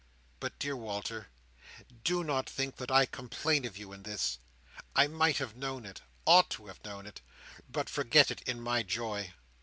But, dear Walter, do not think that I complain of you in this. I might have known it—ought to have known it—but forgot it in my joy.